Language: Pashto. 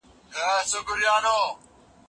ستا هیلې به شاید هیڅکله پوره نه سي.